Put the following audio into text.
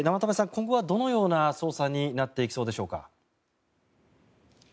今後はどのような捜査になっていきそうでしょうか？